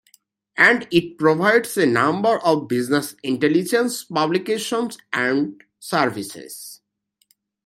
And it provides a number of business intelligence publications and services.